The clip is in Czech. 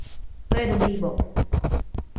To je dobrý bod.